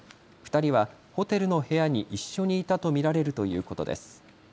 ２人はホテルの部屋に一緒にいたと見られるということです。